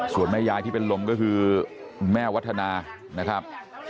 ส่วนแม่ยายที่เป็นลมก็คือแม่วัฒนานะครับ